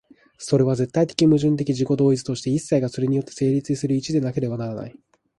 それは絶対矛盾的自己同一として、一切がそれによって成立する一でなければならない。